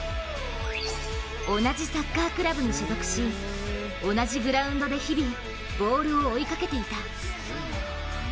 同じサッカークラブに所属し同じグラウンドで日々、ボールを追いかけていた。